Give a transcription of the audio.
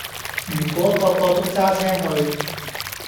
如果個個都揸車去